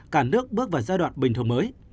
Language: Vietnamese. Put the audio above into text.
cả nước bước vào giai đoạn bình thường mới